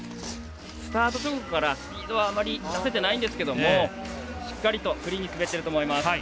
スタート直後からリードはあまり出せてないんですが、しっかりとクリーンに滑っていると思います。